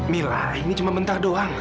mila ini cuma mentah doang